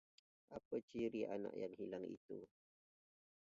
apa ciri anak yang hilang itu?